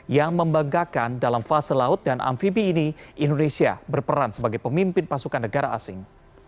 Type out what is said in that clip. yang membanggakan dalam fase laut dan amfibi ini indonesia berperan sebagai pemimpin pasukan negara asing